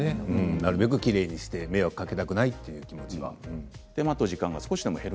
なるべくきれいにして迷惑をかけたくないという気持ちはね。